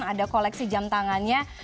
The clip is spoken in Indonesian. ada koleksi jam tangannya